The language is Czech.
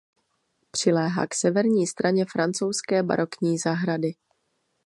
Přiléhá k severní straně francouzské barokní zahrady.